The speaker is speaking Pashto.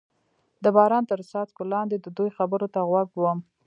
د باران تر څاڅکو لاندې د دوی خبرو ته غوږ ووم.